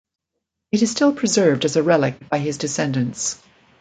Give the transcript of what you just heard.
It is still preserved as a relic by his descendents.